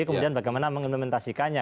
kemudian bagaimana mengimplementasikannya